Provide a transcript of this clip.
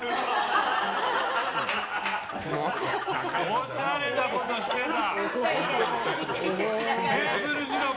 おしゃれなことしてた。